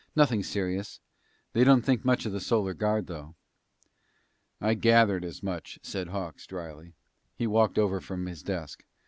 "Nothing serious. They don't think much of the Solar Guard, though." "I gathered as much," said Hawks dryly. He walked over from his desk.